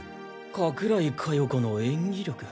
加倉井加代子の演技力？